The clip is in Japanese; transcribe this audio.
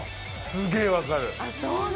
すげえ分かる。